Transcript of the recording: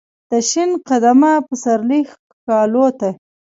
دشین قدمه پسرلی ښکالو ته ،